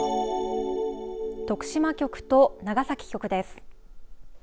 徳島局と長崎局です。